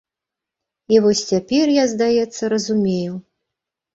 І вось цяпер я, здаецца, разумею.